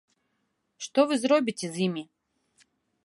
Што вы зробіце з імі?